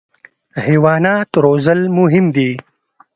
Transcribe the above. حیوانات روزل مهم دي.